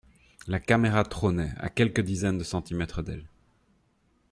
La caméra trônait, à quelques dizaines de centimètres d’elle.